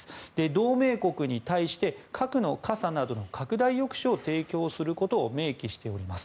同盟国に対して核の傘などの拡大抑止を提供することを明記しております。